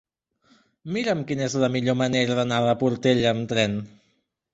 Mira'm quina és la millor manera d'anar a la Portella amb tren.